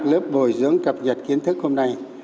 lớp bồi dưỡng cập nhật kiến thức hôm nay